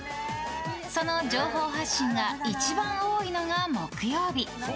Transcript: その情報発信が一番多いのが木曜日。